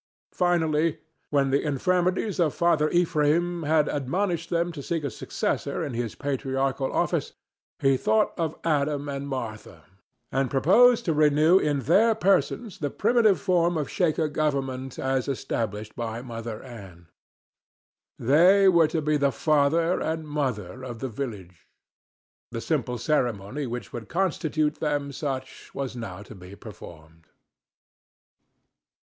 Finally, when the infirmities of Father Ephraim had admonished him to seek a successor in his patriarchal office, he thought of Adam and Martha, and proposed to renew in their persons the primitive form of Shaker government as established by Mother Ann. They were to be the father and mother of the village. The simple ceremony which would constitute them such was now to be performed.